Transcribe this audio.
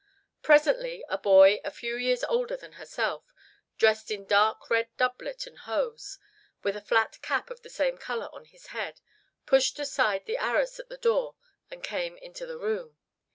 Presently a boy, a few years older than the girl, dressed in dark red doublet and hose, with a flat cap of the same color on his head, pushed aside the arras at the door and came into the room.